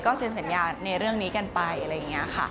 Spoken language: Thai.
เซ็นสัญญาในเรื่องนี้กันไปอะไรอย่างนี้ค่ะ